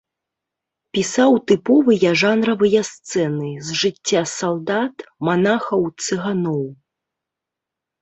Пісаў тыповыя жанравыя сцэны з жыцця салдат, манахаў, цыганоў.